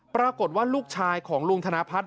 ปรากฏว่าลูกชายของลุงธนพัฒน